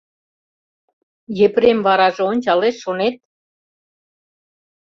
Епрем вараже ончалеш, шонет?